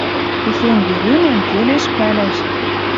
Техень веремӓн келеш пӓлӓш —